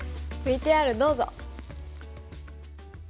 ＶＴＲどうぞ！